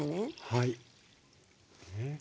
はい。